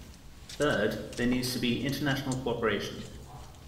Third, there needs to be international co-operation.